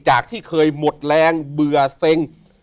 จากที่เคยหมดแรงเบื่อเซ็ง